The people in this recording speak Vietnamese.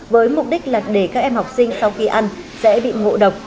với mục đích là để các em học sinh sau khi ăn sẽ bị ngộ độc